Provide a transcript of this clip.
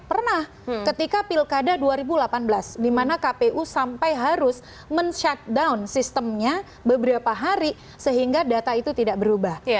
pernah ketika pilkada dua ribu delapan belas di mana kpu sampai harus men shutdown sistemnya beberapa hari sehingga data itu tidak berubah